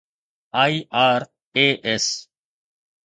IRAS